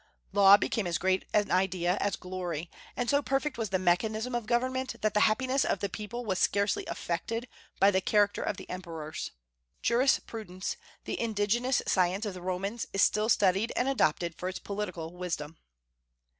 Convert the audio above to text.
"Law" became as great an idea as "glory;" and so perfect was the mechanism of government that the happiness of the people was scarcely affected by the character of the emperors. Jurisprudence, the indigenous science of the Romans, is still studied and adopted for its political wisdom.